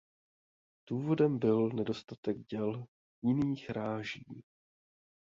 Důvodem byl nedostatek děl jiných ráží.